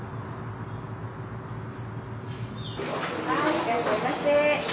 いらっしゃいませ。